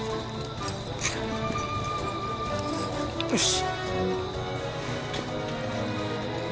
よし。